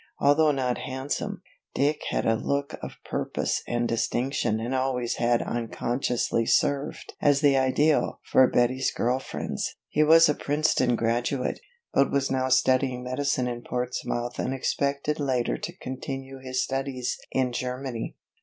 Although not handsome, Dick had a look of purpose and distinction and always had unconsciously served as the ideal for Betty's girl friends. He was a Princeton graduate, but was now studying medicine in Portsmouth and expected later to continue his studies in Germany.